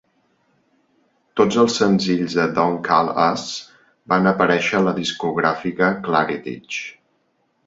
Tots els senzills de "Don't Call Us..." van aparéixer a la discogràfica Claridge.